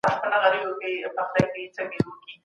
د مځکي خلافت انسان ته سپارل سوی دی.